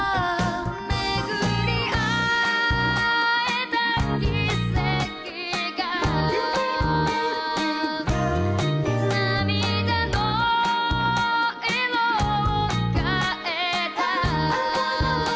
「めぐり会えた奇跡が」「」「涙の色を変えた」「」